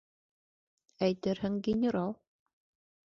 Әйтерһең, генерал.